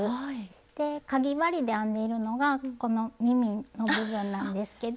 でかぎ針で編んでいるのがこの耳の部分なんですけど。